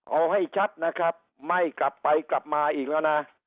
เอาให้ชัดนะครับไม่กลับไปกลับมาอีกแล้วนะ